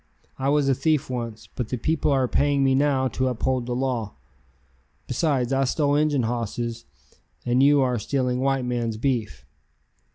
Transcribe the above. I was a thief once, but the people are paying me now to uphold the law. Besides I stole Injun hosses and you are stealing white men's beef."